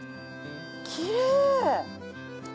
きれい。